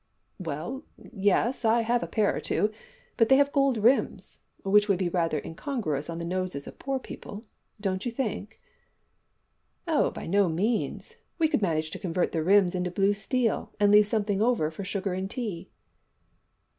"Well, yes, I have a pair or two, but they have gold rims, which would be rather incongruous on the noses of poor people, don't you think?" "Oh! by no means. We could manage to convert the rims into blue steel, and leave something over for sugar and tea."